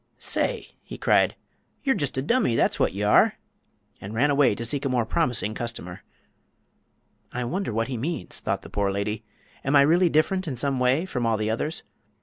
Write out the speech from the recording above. "Say!" he cried, "ye'r just a dummy, that's wot ye are!" and ran away to seek a more promising customer. "I wonder that he means," thought the poor lady. "Am I really different in some way from all the others?